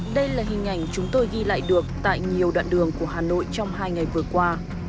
đây là hình ảnh chúng tôi ghi lại được tại nhiều đoạn đường của hà nội trong hai ngày vừa qua